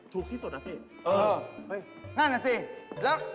ถูกที่สุดน่ะเฮท